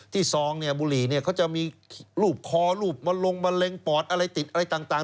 ที่สองเนี่ยบุหรี่เนี่ยเขาจะมีรูปคอรูปมะลงมะเร็งปอดอะไรติดอะไรต่าง